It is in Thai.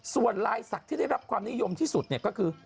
ส่วนลายศักดิ์ที่ได้รับความนิยมที่สุดก็คือ